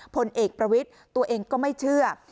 ผลเอกประวิทย์ตัวเองก็ไม่เชื่อ